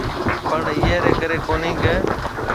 پڻ اِيئي رَي ڪري ڪونھيَََ ڪہ